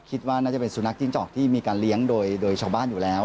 คิดว่าน่าจะเป็นสุนัขจิ้งจอกที่มีการเลี้ยงโดยชาวบ้านอยู่แล้ว